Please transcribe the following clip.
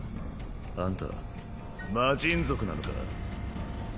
あんた魔神族なのか？